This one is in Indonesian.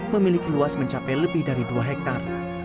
memiliki luas mencapai lebih dari dua hektare